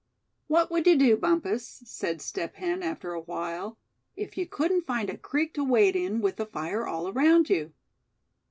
"What would you do, Bumpus," said Step Hen, after a while, "if you couldn't find a creek to wade in, with the fire all around you?"